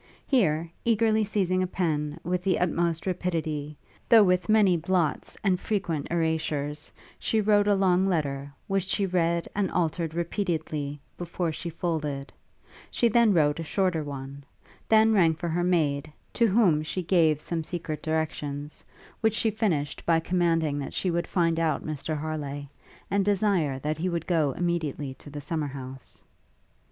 Here, eagerly seizing a pen, with the utmost rapidity, though with many blots, and frequent erazures, she wrote a long letter, which she read and altered repeatedly before she folded; she then wrote a shorter one; then rang for her maid, to whom she gave some secret directions, which she finished by commanding that she would find out Mr Harleigh, and desire that he would go immediately to the summer house.